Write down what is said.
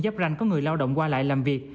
giáp ranh có người lao động qua lại làm việc